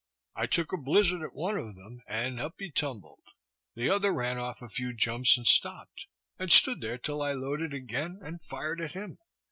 I took a blizzard at one of them, and up he tumbled. The other ran off a few jumps and stop'd; and stood there till I loaded again, and fired at him.